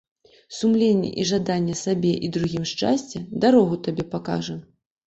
Сумленне і жаданне сабе і другім шчасця дарогу табе пакажа.